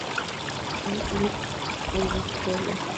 H. Lee Auditorium.